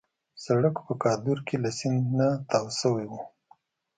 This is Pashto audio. سړک په کادور کې له سیند نه تاو شوی وو.